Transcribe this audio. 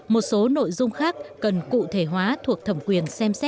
một số nội dung khác cần cụ thể hóa thuộc thẩm quyền